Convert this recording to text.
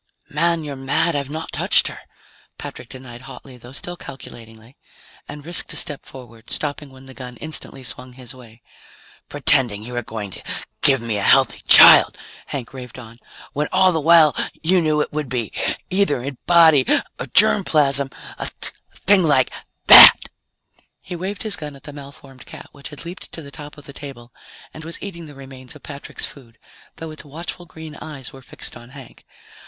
"Man, you're mad; I've not touched her!" Patrick denied hotly though still calculatingly, and risked a step forward, stopping when the gun instantly swung his way. "Pretending you were going to give me a healthy child," Hank raved on, "when all the while you knew it would be either in body or germ plasm a thing like that!" He waved his gun at the malformed cat, which had leaped to the top of the table and was eating the remains of Patrick's food, though its watchful green eyes were fixed on Hank.